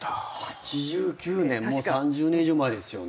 ８９年もう３０年以上前ですよね。